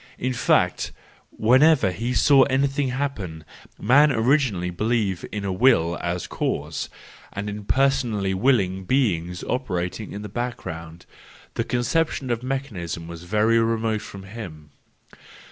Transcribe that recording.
I n fact, whenever he saw anything happen, man originally believed in a Will as cause, and in personally willing beings operating in the background,—the conception of mechanism was very remote from him.